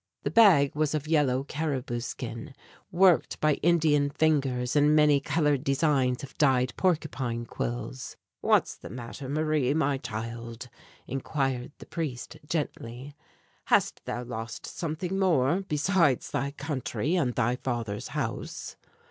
The bag was of yellow caribou skin, worked by Indian fingers in many colored designs of dyed porcupine quills. "What's the matter, Marie, my child?" inquired the priest, gently. "Hast thou lost something more, besides thy country and thy father's house?"